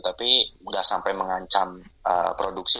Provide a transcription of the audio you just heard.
tapi nggak sampai mengancam produksi